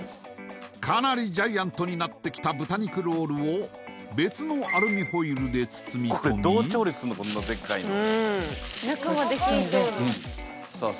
かなりジャイアントになってきた豚肉ロールを別のアルミホイルで包み込みさあ